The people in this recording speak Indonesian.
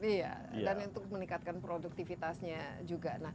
iya dan untuk meningkatkan produktivitasnya juga